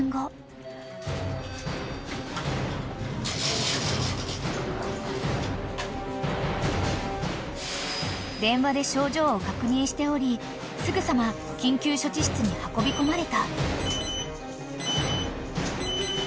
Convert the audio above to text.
・［電話で症状を確認しておりすぐさま緊急処置室に運び込まれた］